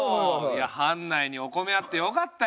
いや藩内にお米あってよかったよ。